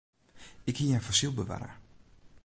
Ik hie in fossyl bewarre.